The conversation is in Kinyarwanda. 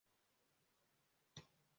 Umuntu wambaye moto yimpu